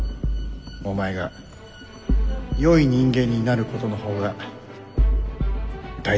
お前がよい人間になることの方が大事じゃ。